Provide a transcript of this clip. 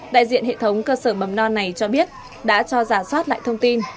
đại diện hệ thống cơ sở mầm non này cho biết đã cho giả soát lại thông tin